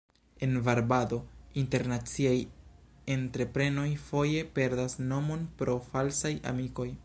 En varbado, internaciaj entreprenoj foje perdas monon pro falsaj amikoj.